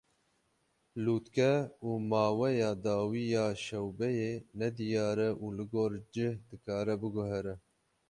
Lûtke û maweya dawî ya şewbeyê nediyar e û li gor cih dikare biguhere.